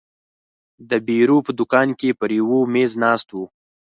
د بیرو په دوکان کې پر یوه مېز ناست وو.